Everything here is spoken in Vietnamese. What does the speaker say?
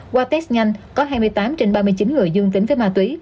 qua test nhanh có hai mươi tám trên ba mươi chín người dương tính với ma túy